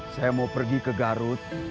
saya mau pergi ke garut